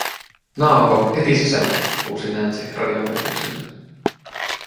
"Naoko, heti sisälle", huusi Nancy radion välityksellä.